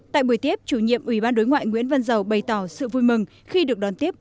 tại buổi tiếp chủ nhiệm ủy ban đối ngoại nguyễn văn giàu bày tỏ sự vui mừng khi được đón tiếp